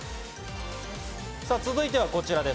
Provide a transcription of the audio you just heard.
続いてはこちらです。